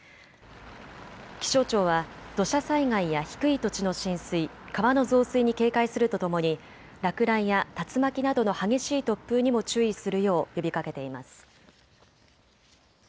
気象庁は土砂災害や低い土地の浸水、川の増水に警戒するとともに落雷や竜巻などの激しい突風にも注意するよう呼びかけています。